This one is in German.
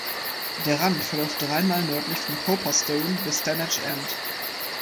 Der Rand verläuft drei Meilen nördlich vom Cowper Stone bis Stanage End.